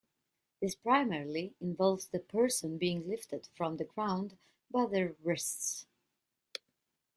This primarily involves the person being lifted from the ground by their wrists.